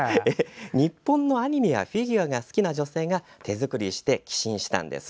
日本のアニメやフィギュアが好きな女性が手作りして寄進したんです。